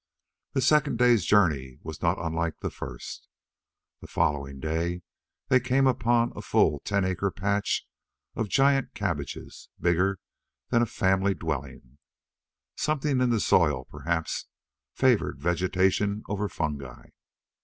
The second day's journey was not unlike the first. The following day, they came upon a full ten acre patch of giant cabbages bigger than a family dwelling. Something in the soil, perhaps, favored vegetation over fungi.